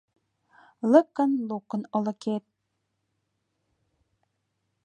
Лыкын-лукын олыкет